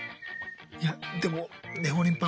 いやでも「ねほりんぱほりん」